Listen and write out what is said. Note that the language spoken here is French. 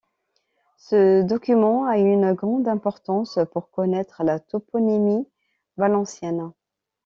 Ce document a une grande importance pour connaître la toponymie valencienne.